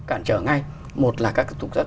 cản trở ngay một là các tục giác